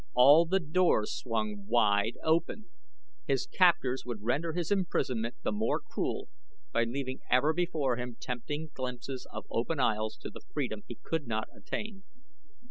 All the doors swung wide open! His captors would render his imprisonment the more cruel by leaving ever before him tempting glimpses of open aisles to the freedom he could not attain.